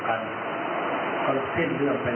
เขาก็พยายามค้นเรื่องเรื่องใหม่